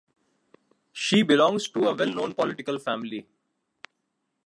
She belongs to a well known political family.